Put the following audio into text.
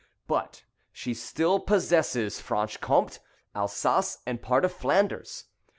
But she still possesses Franche Comte, Alsace, and part of Flanders.